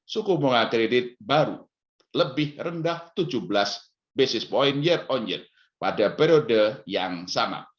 suku bunga kredit baru lebih rendah tujuh belas basis point year on year pada periode yang sama